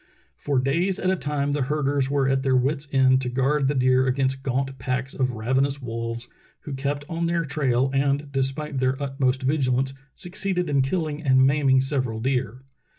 For days at a time the herders were at their wits' ends to guard the deer against gaunt packs of ravenous wolves, who kept on their trail and, despite their utmost vigilance, succeeded in killing and maiming several deer.